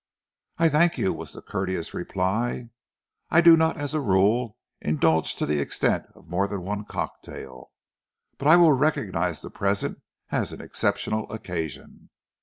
"I thank you," was the courteous reply. "I do not as a rule indulge to the extent of more than one cocktail, but I will recognise the present as an exceptional occasion.